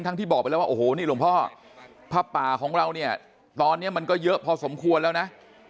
ที่บอกไปแล้วว่าโอ้โหนี่หลวงพ่อผ้าป่าของเราเนี่ยตอนนี้มันก็เยอะพอสมควรแล้วนะ